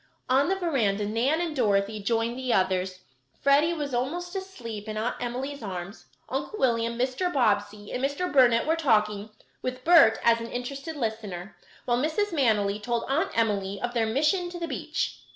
On the veranda Nan and Dorothy joined the others. Freddie was almost asleep in Aunt Emily's arms; Uncle William, Mr. Bobbsey, and Mr. Burnet were talking, with Bert as an interested listener; while Mrs. Manily told Aunt Emily of her mission to the beach.